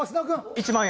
１万円。